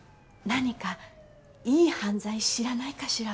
何かいい犯罪知らないかしら？